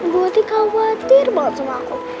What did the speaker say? bu ati khawatir banget sama aku